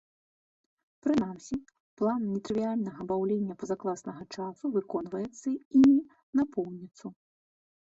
Прынамсі, план нетрывіяльнага баўлення пазакласнага часу выконваецца імі напоўніцу.